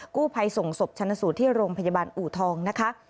กู้ภัยส่งศพชนะสูตรที่โรงพยาบาลอูทองนะคะ